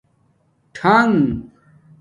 ٹھݣ